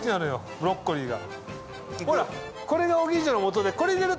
ブロッコリーが。